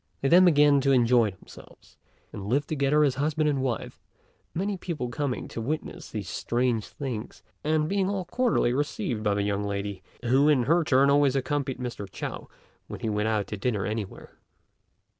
They then began to enjoy themselves, and lived together as husband and wife, many people coming to witness these strange things, and being all cordially received by the young lady, who in her turn always accompanied Mr. Chao when he went out to dinner anywhere.